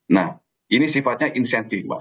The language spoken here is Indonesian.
nah ini sifatnya insentif mbak